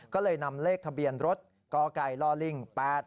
ก็เลยนำเลขทะเบียนรถกไก่ลิง๘๘